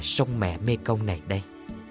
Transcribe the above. sông mẹ mê công này đây